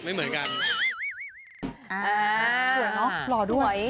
เหนื่อยหล่อด่วย